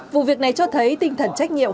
vụ việc này cho thấy tinh thần trách nhiệm